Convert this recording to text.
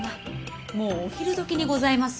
もうお昼どきにございますよ。